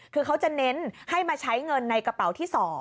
คือเขาจะเน้นให้มาใช้เงินในกระเป๋าที่๒